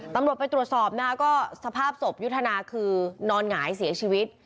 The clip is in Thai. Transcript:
ตำรวจไปตรวจสอบนะคะก็สภาพศพยุทธนาคือนอนหงายเสียชีวิต